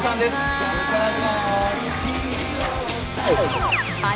よろしくお願いします。